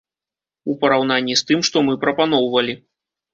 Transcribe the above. У параўнанні з тым, што мы прапаноўвалі.